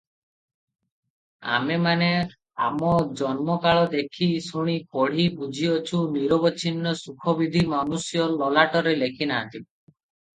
ଆମେମାନେ ଆଜନ୍ମକାଳ ଦେଖି, ଶୁଣି, ପଢ଼ି ବୁଝିଅଛୁ ନିରବଚ୍ଛିନ୍ନ ସୁଖ ବିଧି ମନୁଷ୍ୟ ଲଲାଟରେ ଲେଖି ନାହାନ୍ତି ।